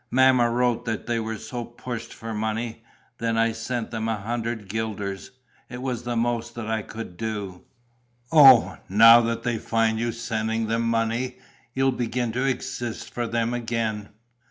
"Mamma wrote that they were so pushed for money. Then I sent them a hundred guilders. It was the most that I could do." "Oh, now that they find you sending them money, you'll begin to exist for them again!"